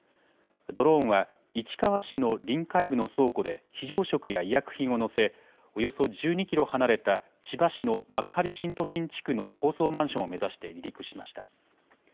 ドローンは、市川市の臨海部の倉庫で、非常食や医薬品を載せ、およそ１２キロ離れた千葉市の幕張新都心地区の高層マンションを目指して離陸しました。